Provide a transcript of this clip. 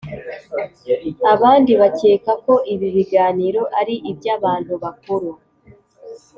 abandi bakeka ko ibi biganiro ari iby’abantu bakuru,